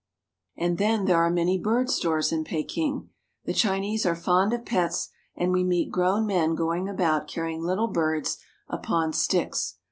And then there are many bird stores in Peking. The Chinese are fond of pets, and we meet grown men going about carrying little birds upon sticks.